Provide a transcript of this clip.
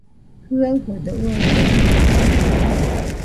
¿Jɨaɨfodo uidolle ite?